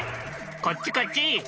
こっちこっち。